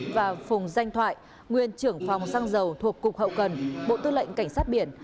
và phùng danh thoại nguyên trưởng phòng xăng dầu thuộc cục hậu cần bộ tư lệnh cảnh sát biển